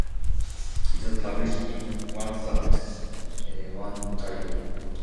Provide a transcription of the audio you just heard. It was published in Owen Sound, Ontario.